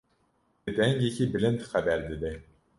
Bi dengekî bilind xeber dide.